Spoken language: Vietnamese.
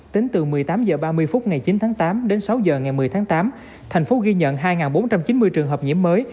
tính từ một mươi tám h ba mươi phút ngày chín tháng tám đến sáu h ngày một mươi tháng tám thành phố ghi nhận hai bốn trăm chín mươi trường hợp nhiễm mới